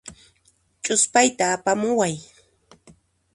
Ch'uspayta apamuway.